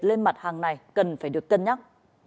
lên mặt hàng này cần phải được cân nhắc